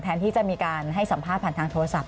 ที่จะมีการให้สัมภาษณ์ผ่านทางโทรศัพท